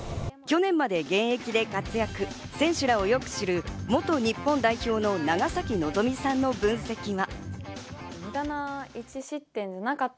しかし去年まで現役で活躍、選手らをよく知る元日本代表の長崎望未さんの分析は。